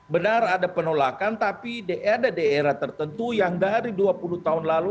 benar ada penolakan tapi ada daerah tertentu yang dari dua puluh tahun lalu